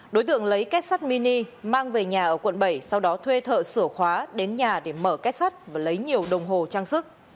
đối tượng lấy kết sắt mini mang về nhà ở quận bảy sau đó thuê thợ sửa khóa đến nhà để mở kết sắt và lấy nhiều đồng hồ trang sức